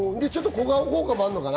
小顔効果もあるのかな？